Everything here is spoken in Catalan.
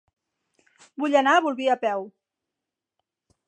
Vull anar a Bolvir a peu.